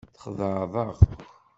Txedεeḍ-aɣ.